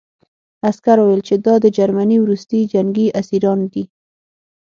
عسکر وویل چې دا د جرمني وروستي جنګي اسیران دي